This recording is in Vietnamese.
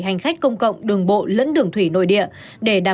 hành khách công cộng đường bộ lẫn đường thủy nội địa